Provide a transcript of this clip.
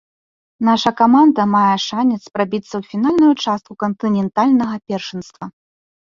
Наша каманда мае шанец прабіцца ў фінальную частку кантынентальнага першынства.